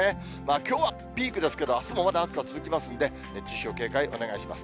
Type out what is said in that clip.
きょうはピークですけど、あすもまだ暑さ続きますんで、熱中症、警戒お願いします。